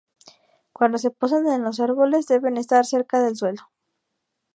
Cuando se posan en los árboles deben estar cerca del suelo.